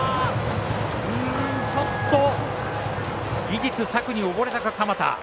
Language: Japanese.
ちょっと策におぼれたか鎌田。